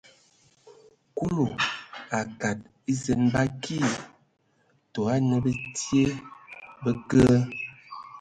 Kulu a kadag e zen ba akii, tɔ ana bə tie, bə kə.